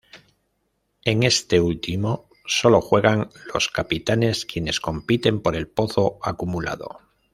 En este último solo juegan los capitanes, quienes compiten por el pozo acumulado.